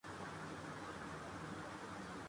میں صبح جلدی اٹھتاہوں